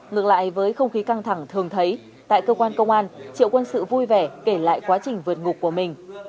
ngược lại với không khí căng thẳng thường thấy tại cơ quan công an triệu quân sự vui vẻ kể lại quá trình vượt ngục của mình